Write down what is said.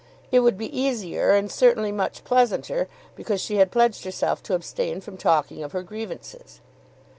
It would be easier, and certainly much pleasanter, because she had pledged herself to abstain from talking of her grievances.